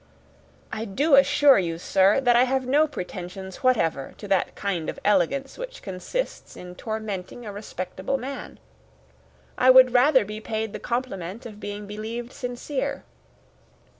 "I do assure you, sir, that I have no pretensions whatever to that kind of elegance which consists in tormenting a respectable man. I would rather be paid the compliment of being believed sincere.